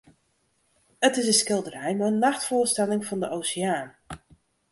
It is in skilderij mei in nachtfoarstelling fan de oseaan.